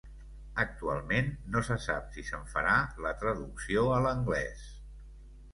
Actualment no se sap si se'n farà la traducció a l'anglès.